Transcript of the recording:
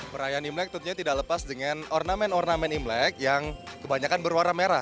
perayaan imlek tentunya tidak lepas dengan ornamen ornamen imlek yang kebanyakan berwarna merah